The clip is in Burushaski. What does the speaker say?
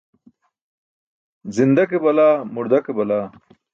Zinda ke balaa, murda ke balaa.